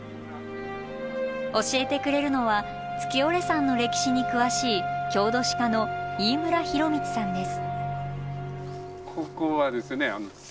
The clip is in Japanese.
教えてくれるのは月居山の歴史に詳しい郷土史家の飯村尋道さんです。